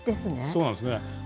そうなんですね。